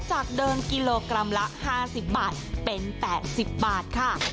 จากเดิมกิโลกรัมละ๕๐บาทเป็น๘๐บาทค่ะ